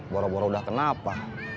boroboro udah kenapa